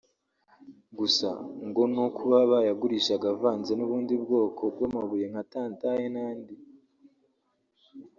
Gusa ngo no kuba bayagurishaga avanze n’ubundi bwoko bw’amabuye nka tantale n’andi